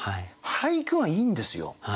俳句がいいんですよ。